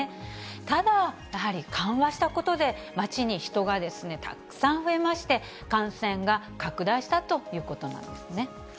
ただ、やはり緩和したことで、街に人がたくさん増えまして、感染が拡大したということなんですね。